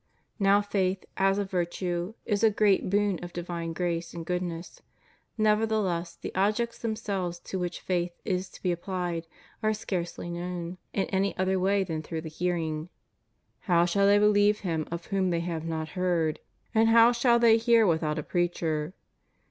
Now faith, as a virtue, is a great boon of divine grace and goodness; nevertheless, the objects them selves to which faith is to be applied are scarcely known in any other way than through the hearing. How shall they believe Him of whom they have not heard? and how shall they hear without a preacher?